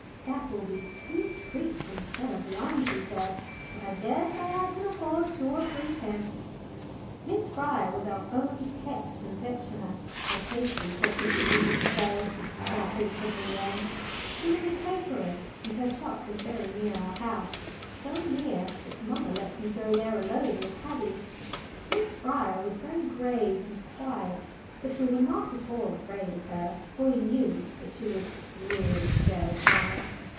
"That will be two treats instead of one," she said, "but I daresay I can afford two or three pence." Miss Fryer was our own pet confectioner, or pastry cook, as we used to say more frequently then. She was a Quakeress, and her shop was very near our house, so near that mamma let me go there alone with Haddie. Miss Fryer was very grave and quiet, but we were not at all afraid of her, for we knew that she was really very kind.